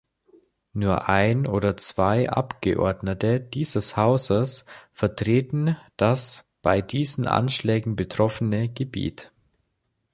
Nur ein oder zwei Abgeordnete dieses Hauses vertreten das bei diesen Anschlägen betroffene Gebiet.